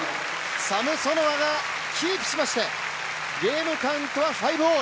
サムソノワがキープしましてゲームカウントは５−５！